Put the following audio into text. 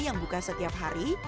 yang buka setiap hari